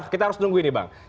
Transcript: kita harus tunggu ini bang